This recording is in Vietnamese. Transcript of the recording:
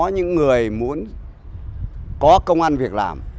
những người muốn có công an việc làm